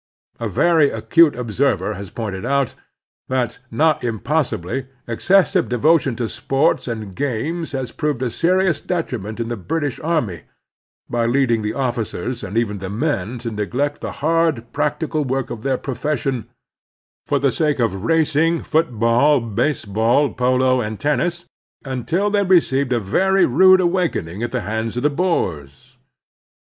A very acute observer has pointed out that, not impossibly, excessive devotion to sports and games has proved a serious detriment in the British army, by leading the officers and even the men to neglect the hard, practical work of their profession for the sake of racing, football, baseball, polo, and tennis — ^tmtil they received a very rude awakening at the hands of the Boers.